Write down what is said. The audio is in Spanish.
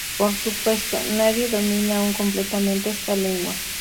Por supuesto, nadie domina aun completamente esta lengua.